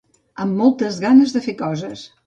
Amb moltes ganes de fer coses.